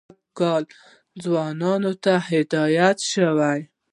سږ کال ځوانانو ته هدایت شوی.